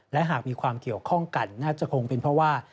และหากมีความเกี่ยวข้องกันน่าจะคงเป็นเพราะว่า